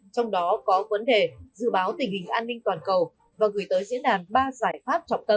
trong đó có vấn đề dự báo tình hình an ninh toàn cầu và gửi tới diễn đàn ba giải pháp trọng tâm